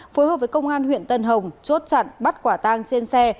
phối hợp với công an huyện tân hồng chốt chặn bắt quả tang trên xe